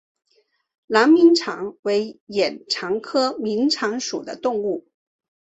囊明蚕为眼蚕科明蚕属的动物。